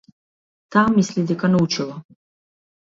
Таа мисли дека научила.